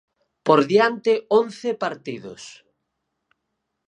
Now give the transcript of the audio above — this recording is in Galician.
Por diante once partidos.